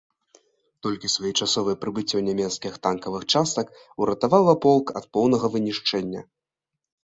Толькі своечасовае прыбыццё нямецкіх танкавых частак уратавала полк ад поўнага вынішчэння.